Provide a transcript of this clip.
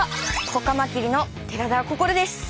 子カマキリの寺田心です。